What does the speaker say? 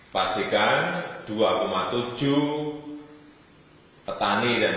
pastikan dua tujuh petani dan guru tanaman